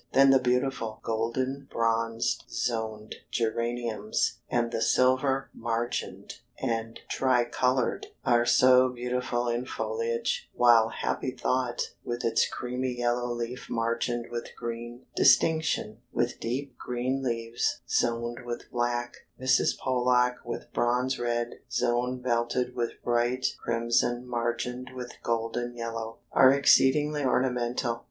Then the beautiful "Golden Bronzed Zoned" geraniums, and the "Silver Margined" and "Tricolored," are so beautiful in foliage, while Happy Thought, with its creamy yellow leaf margined with green; Distinction, with deep green leaves zoned with black; Mrs. Pollock with bronze red zone belted with bright crimson margined with golden yellow, are exceedingly ornamental.